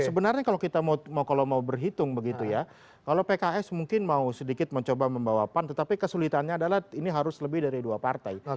sebenarnya kalau kita mau kalau mau berhitung begitu ya kalau pks mungkin mau sedikit mencoba membawa pan tetapi kesulitannya adalah ini harus lebih dari dua partai